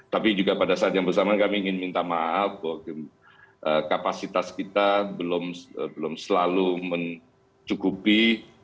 tapi juga pada saat yang bersamaan kami ingin minta maaf bahwa kapasitas kita belum selalu mencukupi